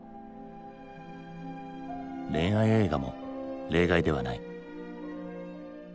恋愛映画も例外ではない。